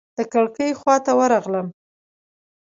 د کړکۍ خواته ورغلم.